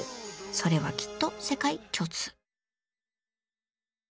それはきっと世界共通。